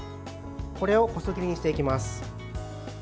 これを細切りにしていきます。